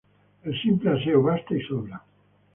El simple aseo basta y sobra.